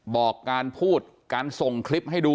บอกการพูดการส่งคลิปให้ดู